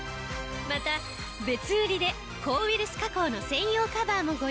また別売りで抗ウイルス加工の専用カバーもご用意。